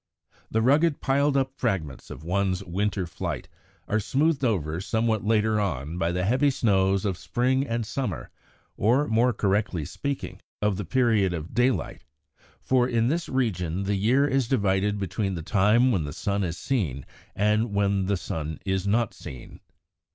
The rugged, piled up fragments of one winter's fight are smoothed over somewhat later on by the heavy snows of spring and summer, or, more correctly speaking, of the period of daylight, for in this region the year is divided between the time when the sun is seen and when the sun is not seen.